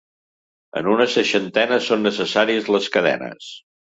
En una seixantena són necessàries les cadenes.